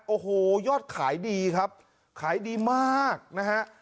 โอ้โหยอดขายดีครับขายดีมากนะฮะ